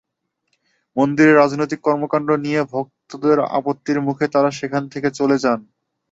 মন্দিরে রাজনৈতিক কর্মকাণ্ড নিয়ে ভক্তদের আপত্তির মুখে তাঁরা সেখান থেকে চলে যান।